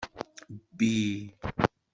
Bbi.